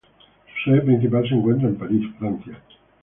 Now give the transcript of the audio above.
Su sede principal se encuentra en París, Francia.